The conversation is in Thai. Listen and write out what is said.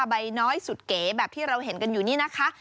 ใบน้อยสุดเก๋แบบที่เราเห็นกันอยู่นี่นะคะ